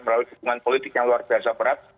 melalui dukungan politik yang luar biasa berat